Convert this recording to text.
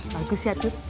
bagus ya atu